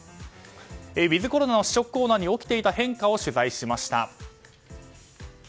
ウィズコロナの試食コーナーに起きていた変化を取材しました。